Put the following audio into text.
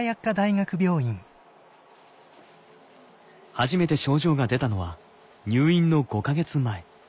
初めて症状が出たのは入院の５か月前。